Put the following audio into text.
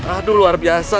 aduh luar biasa